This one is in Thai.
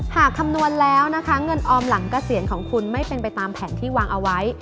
คำนวณแล้วนะคะเงินออมหลังเกษียณของคุณไม่เป็นไปตามแผนที่วางเอาไว้